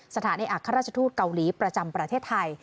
สถานเอกอัครราชทูตเกาหลีประจำประเทศไทย